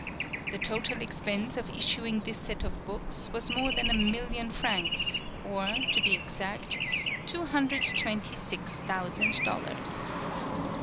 The total expense of issuing this set of books was more than a million francs, or, to be exact, two hundred twenty six thousand dollars.